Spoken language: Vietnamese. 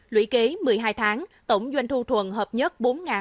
lũy kế một mươi hai tháng tổng doanh thu thuần hợp nhất